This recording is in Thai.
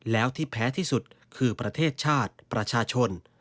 แล้วที่แพ้ที่สุดคือประเทศชาติประชาชน